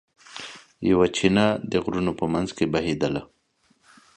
یوه چینه د غرونو په منځ کې بهېدله.